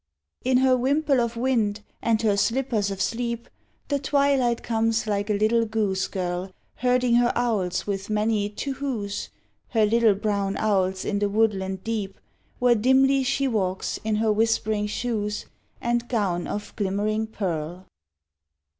In her wimple of wind and her slippers of sleep The twilight comes like a little goose girl, Herding her owls with many "tu whoos," Her little brown owls in the woodland deep, Where dimly she walks in her whispering shoes, And gown of glimmering pearl.